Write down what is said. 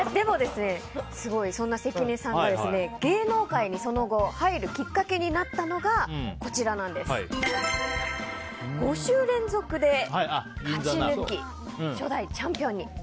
そんな関根さんが芸能界にその後入るきっかけになったのが５週連続で勝ち抜き初代チャンピオンにと。